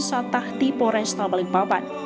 satah ti poresa balikpapan